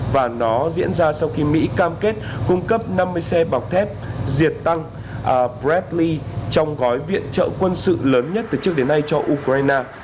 và nó diễn ra sau khi mỹ cam kết cung cấp năm mươi xe bọc thép diệt tăng bredli trong gói viện trợ quân sự lớn nhất từ trước đến nay cho ukraine